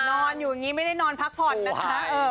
นอนอยู่อย่างนี้ไม่ได้นอนพักผ่อนนะคะ